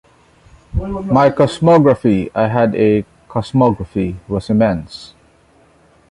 My cosmography, I had a cosmography, was immense.